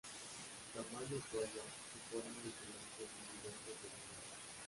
Su tamaño o talla, su forma y pelaje es muy diverso según la raza.